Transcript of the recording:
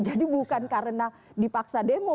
jadi bukan karena dipaksa demo